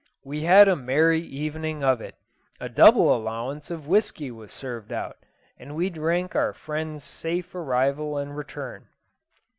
We had a merry evening of it; a double allowance of whisky was served out, and we drank our friends' safe arrival and return.